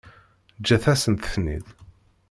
Ǧǧet-asent-ten-id.